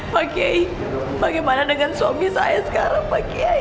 pak kiai bagaimana dengan suami saya sekarang pak kiai